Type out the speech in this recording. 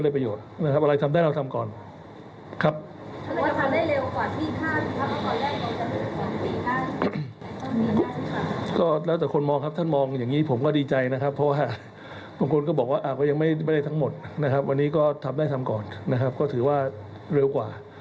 เพราะว่าบางคนก็บอกว่ายังไม่ได้ทั้งหมดนะครับวันนี้ก็ทำได้ทำก่อนนะครับก็ถือว่าเร็วกว่า